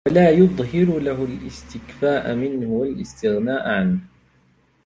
وَلَا يُظْهِرُ لَهُ الِاسْتِكْفَاءَ مِنْهُ وَالِاسْتِغْنَاءَ عَنْهُ